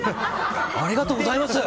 ありがとうございます！